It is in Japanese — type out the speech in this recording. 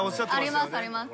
ありますあります。